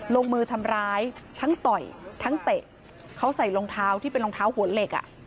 ลงมือทำร้ายทั้งต่อยทั้งเตะเขาใส่รองเท้าที่เป็นรองเท้าหัวเหล็กอ่ะ